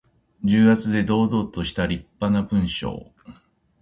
重厚で堂々としたりっぱな文章。